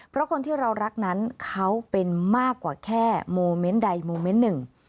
เพราะคนที่เรารักนั้นเขาเป็นมากกว่าแค่โมเมนต์ใดโมเมนต์หนึ่ง